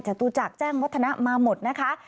จตุจักรแจ้งวัฒนะมาหมดนะคะ